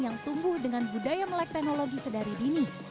yang tumbuh dengan budaya melek teknologi sedari dini